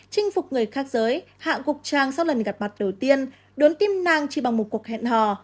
chinh phục người khác giới hạ gục trang sau lần gặp mặt đầu tiên đốn tim nang chỉ bằng một cuộc hẹn hò